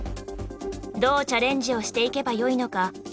どうチャレンジをしていけばよいのか